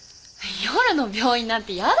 夜の病院なんて嫌だ！